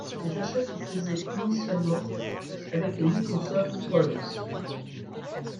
Les achats se faisaient initialement avec les Microsoft Points.